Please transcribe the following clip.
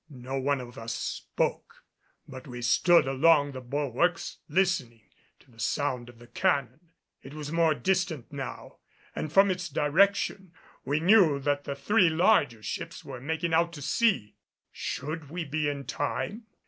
No one of us spoke, but we stood along the bulwarks listening to the sound of the cannon. It was more distant now, and from its direction we knew that the three larger ships were making out to sea. Should we be in time?